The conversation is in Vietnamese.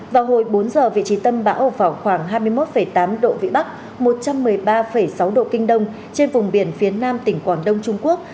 vào hồi bốn giờ vị trí tâm bão ở vào khoảng hai mươi một tám độ vĩ bắc một trăm một mươi ba sáu độ kinh đông trên vùng biển phía nam tỉnh quảng đông trung quốc